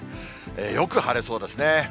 よく晴れそうですね。